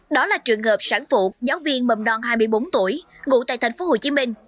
đó là trường hợp sản phụ giáo viên bầm đòn hai mươi bốn tuổi ngủ tại tp hcm